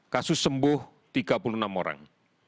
kasus sembuh tiga puluh enam orang